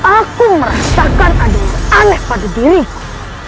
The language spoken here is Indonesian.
aku merasakan ada yang aneh pada diriku